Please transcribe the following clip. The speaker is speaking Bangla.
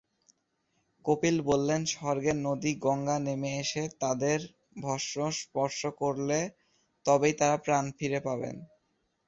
কপিল বললেন, স্বর্গের নদী গঙ্গা নেমে এসে তাঁদের ভস্ম স্পর্শ করলে তবেই তাঁরা প্রাণ ফিরে পাবেন।